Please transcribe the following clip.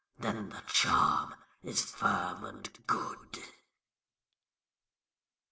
Then the charm is firm and good.